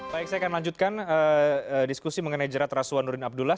baik saya akan lanjutkan diskusi mengenai jerat rasuah nurdin abdullah